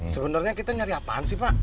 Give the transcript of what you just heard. sebenarnya kita nyari apaan sih pak